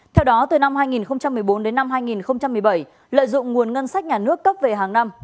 theo đó từ năm hai nghìn một mươi bốn đến năm hai nghìn một mươi bảy lợi dụng nguồn ngân sách nhà nước cấp về hàng năm